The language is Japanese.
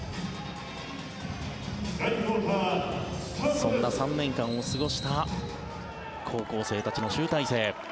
そんな３年間を過ごした高校生たちの集大成。